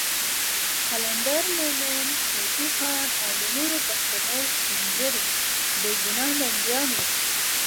قلندر مومند، هوتي خان، او د نورو پښتنو سپین ږیري بېګناه بندیان وو.